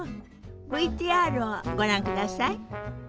ＶＴＲをご覧ください。